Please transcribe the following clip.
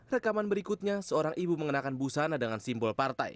rekaman berikutnya seorang ibu mengenakan busana dengan simbol partai